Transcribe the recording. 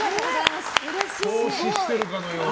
透視してるかのような。